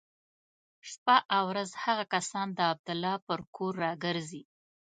شپه او ورځ هغه کسان د عبدالله پر کور را ګرځي.